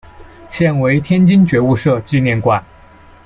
现为天津觉悟社纪念馆。